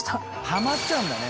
ハマっちゃうんだね。